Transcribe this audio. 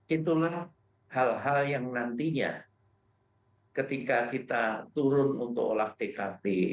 itulah hal hal yang nantinya ketika kita turun untuk olah tkp